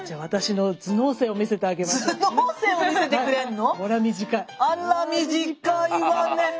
頭脳線を見せてくれんの？